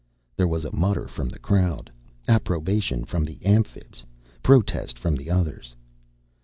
There was a mutter from the crowd; approbation from the Amphibs, protest from the others.